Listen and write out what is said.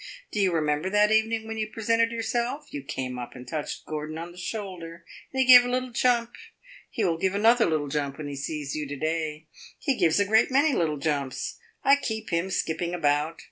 Do you remember that evening when you presented yourself? You came up and touched Gordon on the shoulder, and he gave a little jump. He will give another little jump when he sees you to day. He gives a great many little jumps; I keep him skipping about!